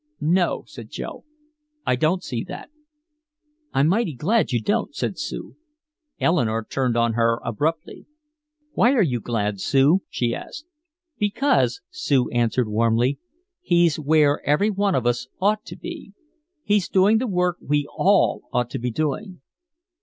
"No," said Joe. "I don't see that " "I'm mighty glad you don't," said Sue. Eleanore turned on her abruptly. "Why are you glad, Sue?" she asked. "Because," Sue answered warmly, "he's where every one of us ought to be! He's doing the work we all ought to be doing!"